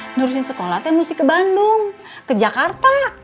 menurut sekolah itu harus ke bandung ke jakarta